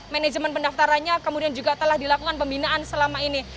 manajemen pendaftarannya kemudian juga telah dilakukan pembinaan selama ini